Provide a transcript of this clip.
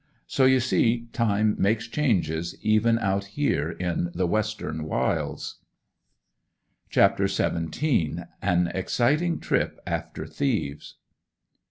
So you see time makes changes, even out here in the "western wilds." CHAPTER XVII. AN EXCITING TRIP AFTER THIEVES.